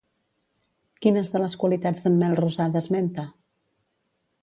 Quines de les qualitats d'en Melrosada esmenta?